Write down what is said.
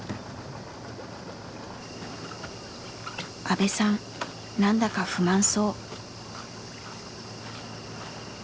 阿部さん何だか不満そう。